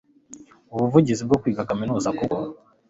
ubuvugizi bwo kwiga Kaminuza kuko